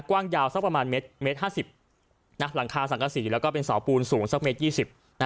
กว้างยาวสักประมาณเมตรห้าสิบหลังคาสังกษีแล้วก็เป็นเสาปูนสูงสักเมตรยี่สิบ